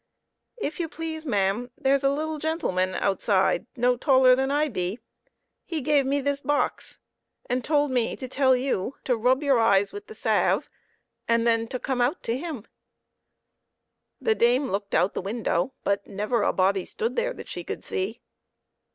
" If you please, ma'am, there's a little gentleman outside, no taller than I be ; he gave me this box, and told me to tell you to rub your eyes with the salve and then to come out to him." HOW DAME TWIST SAW MORE THAN WAS GOOD FOR HER. 33 The dame looked out of the window, but never a body stood there that she could see.